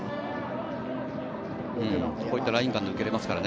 こういったライン間、抜けれますからね。